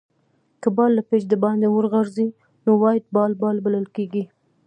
که بال له پيچ دباندي وغورځي؛ نو وایډ بال بلل کیږي.